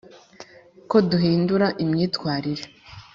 ko duhindura imyitwarire